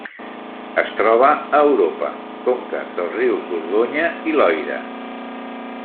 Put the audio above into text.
Es troba a Europa: conques dels rius Dordonya i Loira.